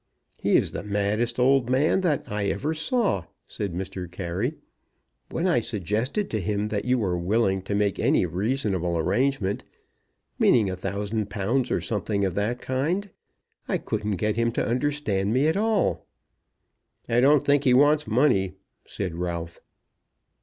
"He is the maddest old man that I ever saw," said Mr. Carey. "When I suggested to him that you were willing to make any reasonable arrangement, meaning a thousand pounds, or something of that kind, I couldn't get him to understand me at all." "I don't think he wants money," said Ralph.